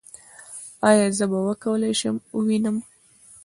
ایا زه به وکولی شم ووینم؟